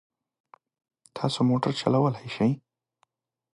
تاسو موټر چلولای شئ؟